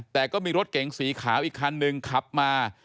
แต่ก็มีรถเก๋งสีขาวอีกคันหนึ่งขับมา